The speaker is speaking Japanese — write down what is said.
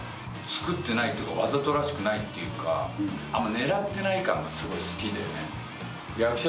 つくってないというか、わざとらしくないというか、狙ってない感がすごい好きで。